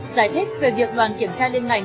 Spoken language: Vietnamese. giải thích về việc đoàn kiểm tra lên ngành